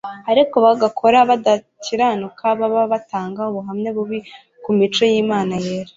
ariko bagakora badakiranuka baba batanga ubuhamya bubi ku mico y'Imana yera